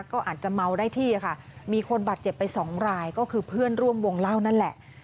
ก็อาจจะเมาได้ที่ค่ะมีคนบาดเจ็บไปสองรายก็คือเพื่อนร่วมวงเล่านั่นแหละ